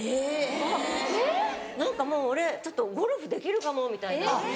「あっ何かもう俺ちょっとゴルフできるかも」みたいな。